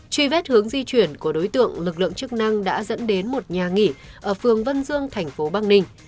truy vết hướng di chuyển của đối tượng lực lượng chức năng đã dẫn đến một nhà nghỉ ở phường vân dương thành phố bắc ninh